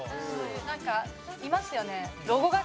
なんかいますよね。